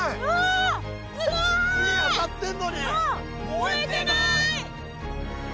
燃えてない！